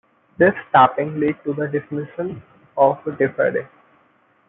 This taping led to the dismissal of DeFede.